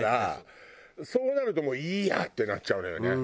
そうなるともういいやってなっちゃうのよね。